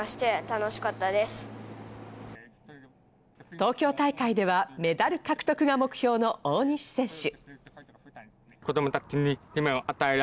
東京大会ではメダル獲得が目標の大西選手。